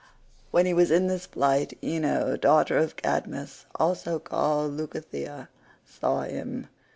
When he was in this plight, Ino daughter of Cadmus, also called Leucothea, saw him.